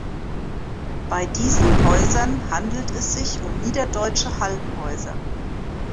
Bei diesen Häusern handelt es sich um Niederdeutsche Hallenhäuser.